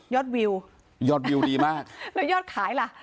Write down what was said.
วิวยอดวิวดีมากแล้วยอดขายล่ะ